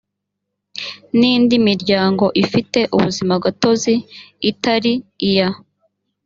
n indi miryango ifite ubuzimagatozi itari iya